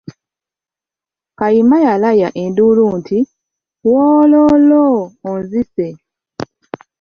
Kayima yalaya enduulu nti, "Wooloolo, onzise."